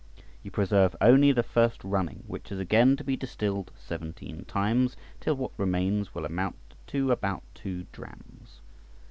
You preserve only the first running, which is again to be distilled seventeen times, till what remains will amount to about two drams.